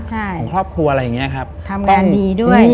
ของครอบครัวอะไรอย่างงี้